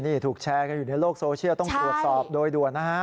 นี่ถูกแชร์กันอยู่ในโลกโซเชียลต้องตรวจสอบโดยด่วนนะฮะ